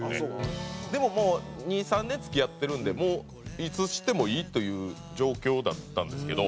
でももう２３年付き合ってるんでもういつしてもいいという状況だったんですけど。